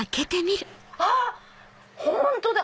あっ本当だ！